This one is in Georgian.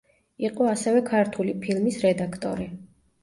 იყო ასევე „ქართული ფილმის“ რედაქტორი.